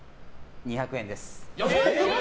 ２００円です。